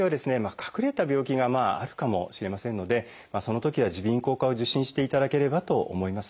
隠れた病気があるかもしれませんのでそのときは耳鼻咽喉科を受診していただければと思います。